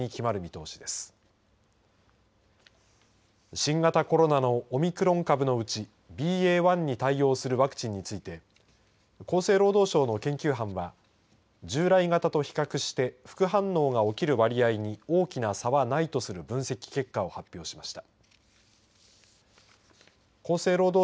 新型コロナのオミクロン株のうちＢＡ．１に対応するワクチンについて厚生労働省の研究班は従来型と比較して副反応が起きる割合に大きな差はないとする分析結果を発表しました。